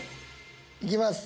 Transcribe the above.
行きます。